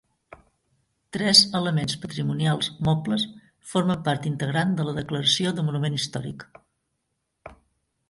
Tres elements patrimonials mobles formen part integrant de la declaració de monument històric.